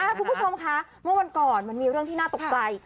คุณผู้ชมคะเมื่อวันก่อนมันมีเรื่องที่น่าตกใจ